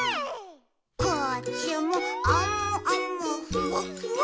「こっちもあむあむふわっふわ」